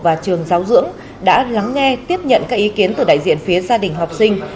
và trường giáo dưỡng đã lắng nghe tiếp nhận các ý kiến từ đại diện phía gia đình học sinh